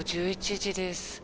午後１１時です。